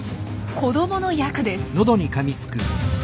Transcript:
子どものヤクです。